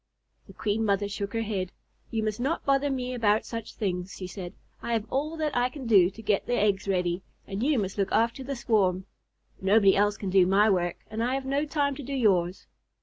The Queen Mother shook her head. "You must not bother me about such things," she said. "I have all that I can do to get the eggs ready, and you must look after the swarm. Nobody else can do my work, and I have no time to do yours."